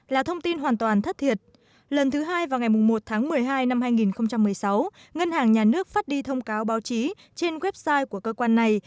lần thứ ba là vào ngày một tháng một mươi hai năm hai nghìn một mươi sáu ngân hàng nhà nước phát đi thông cáo báo chí trên website của cơ quan này